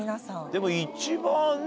でも一番ね